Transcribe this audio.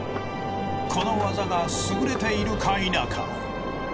この技が優れているか否か。